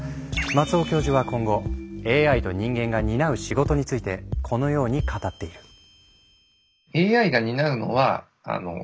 松尾教授は今後ＡＩと人間が担う仕事についてこのように語っている。